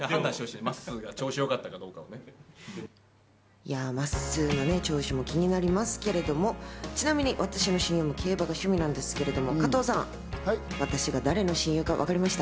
いや、まっすーの調子も気になりますけれども、ちなみに私の親友も競馬が趣味なんですけど、加藤さん、私が誰の親友かわかりました？